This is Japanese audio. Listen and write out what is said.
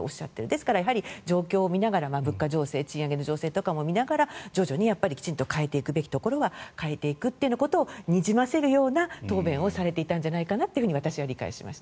ですから、状況を見ながら賃上げの情勢なども見ながら徐々にきちんと変えていくべきところは変えていくということをにじませるような答弁をされていたんじゃないかと私は理解しました。